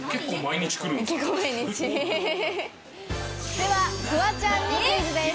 ではフワちゃんにクイズです。